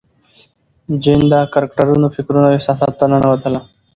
جین د کرکټرونو فکرونو او احساساتو ته ننوتله.